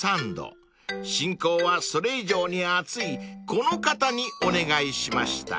進行はそれ以上に熱いこの方にお願いしました］